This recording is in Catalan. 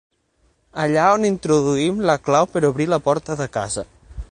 Allà on introduïm la clau per obrir la porta de casa.